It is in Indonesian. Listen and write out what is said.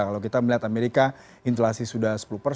kalau kita melihat amerika intilasi sudah sepuluh